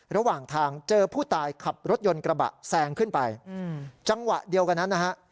ระหว่างทางเจอผู้ตายขับรถยนต์กระบะแซงขึ้นไปจังหวะเดียวกันนั้นนะฮะ